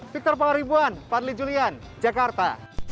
victor pangaribuan fadli julian jakarta